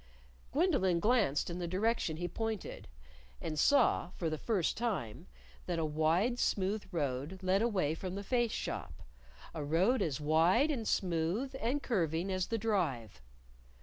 Gwendolyn glanced in the direction he pointed. And saw for the first time that a wide, smooth road led away from the Face Shop, a road as wide and smooth and curving as the Drive.